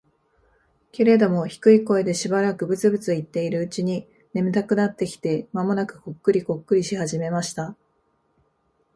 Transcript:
けれども、低い声でしばらくブツブツ言っているうちに、眠たくなってきて、間もなくコックリコックリし始めました。